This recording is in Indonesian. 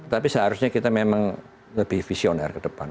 tapi seharusnya kita memang lebih visioner ke depan